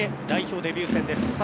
代表デビュー戦です。